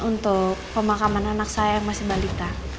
untuk pemakaman anak saya yang masih balita